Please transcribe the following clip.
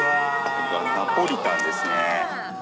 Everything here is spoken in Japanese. これがナポリタンですね。